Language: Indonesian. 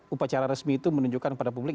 upacara resmi itu menunjukkan kepada publik